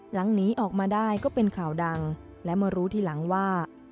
หนีออกมาได้ก็เป็นข่าวดังและมารู้ทีหลังว่า